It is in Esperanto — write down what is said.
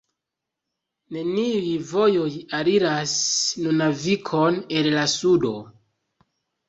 Neniuj vojoj aliras Nunavik-on el la sudo.